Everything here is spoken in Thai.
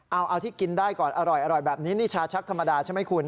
เอาที่กินได้ก่อนอร่อยแบบนี้นี่ชาชักธรรมดาใช่ไหมคุณ